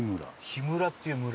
桧村っていう村？